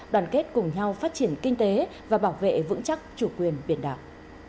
đoàn kết cùng nhau phát triển kinh tế và bảo vệ vững chắc chủ quyền biển đảo